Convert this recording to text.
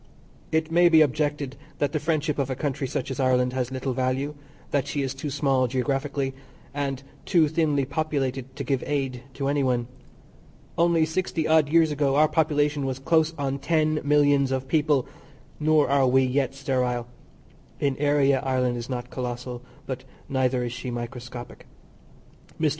It may be objected that the friendship of a country such as Ireland has little value; that she is too small geographically, and too thinly populated to give aid to any one. Only sixty odd years ago our population was close on ten millions of people, nor are we yet sterile; in area Ireland is not collossal, but neither is she microscopic. Mr.